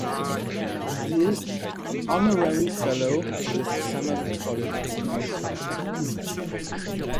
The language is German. Sie ist Honorary Fellow des Somerville College in Oxford.